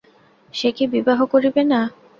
সে কি বিবাহ করিবে না।